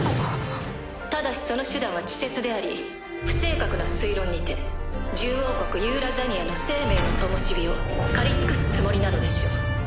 ただしその手段は稚拙であり不正確な推論にて獣王国ユーラザニアの生命のともしびを狩り尽くすつもりなのでしょう。